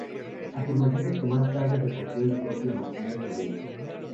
Afirmaciones que más tarde recogió el propio Martínez Marina.